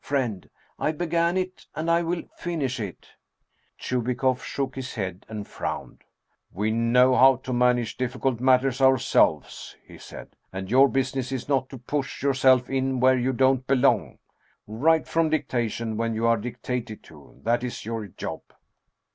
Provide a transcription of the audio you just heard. Friend, I began it and I will finish it !" Chubikoff shook his head and frowned. " We know how to manage difficult matters ourselves," he said ;" and your business is not to push yourself in where you don't belong. Write from dictation when you are dictated to; that is your job!"